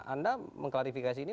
anda mengklarifikasi ini